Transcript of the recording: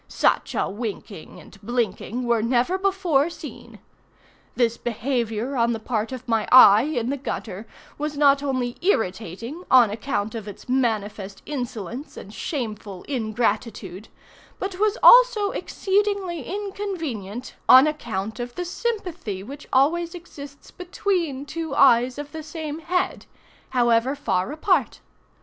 Such a winking and blinking were never before seen. This behavior on the part of my eye in the gutter was not only irritating on account of its manifest insolence and shameful ingratitude, but was also exceedingly inconvenient on account of the sympathy which always exists between two eyes of the same head, however far apart.